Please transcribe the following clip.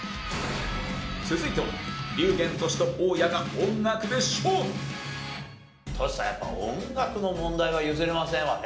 続いては龍玄としと大家が音楽で勝負！としさんやっぱ音楽の問題は譲れませんわね。